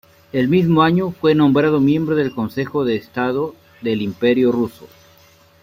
El mismo año, fue nombrado miembro del Consejo de Estado del Imperio ruso.